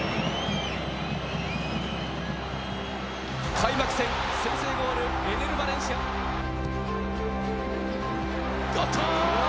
開幕戦、先制ゴールエネル・バレンシア。